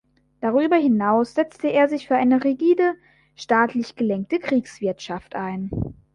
Darüber hinaus setzte er sich für eine rigide, staatlich gelenkte Kriegswirtschaft ein.